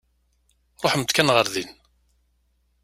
Ṛuḥemt kan ɣer din.